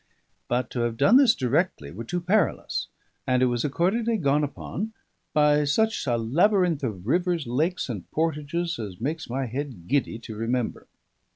But to have done this directly were too perilous; and it was accordingly gone upon by such a labyrinth of rivers, lakes, and portages as makes my head giddy to remember.